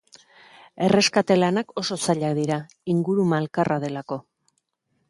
Erreskate-lanak oso zailak dira, inguru malkarra delako.